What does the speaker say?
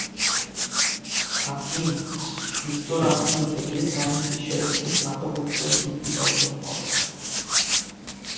হাকিম যুক্তরাজ্য থেকে আইন বিষয়ে স্নাতকোত্তর ডিগ্রি অর্জন করেন।